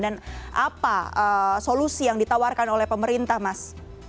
dan apa solusi yang ditawarkan oleh pemerintah mas